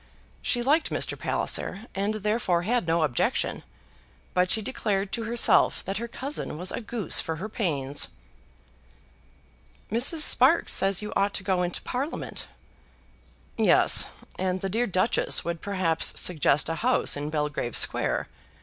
She liked Mr. Palliser, and therefore had no objection; but she declared to herself that her cousin was a goose for her pains. "Mrs. Sparkes says you ought to go into Parliament." "Yes; and the dear Duchess would perhaps suggest a house in Belgrave Square.